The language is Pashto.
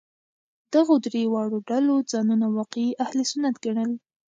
دغو درې واړو ډلو ځانونه واقعي اهل سنت ګڼل.